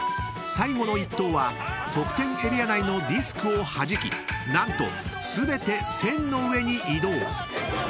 ［最後の１投は得点エリア内のディスクをはじき何と全て線の上に移動］